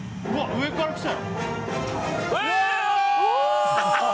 上から来た。